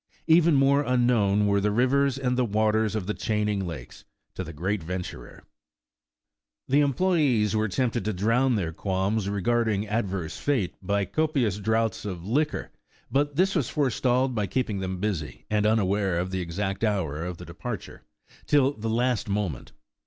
Even more unknown were the rivers, and the waters of the chaining lakes, to the great venturer. 106 By Canoe Through the Great Lakes The employes were tempted to drown their quahns regarding adverse fate, by copious draughts of liquor, but this was forestalled by keeping them busy, and un aware of the exact hour of departure, till the last mo ment.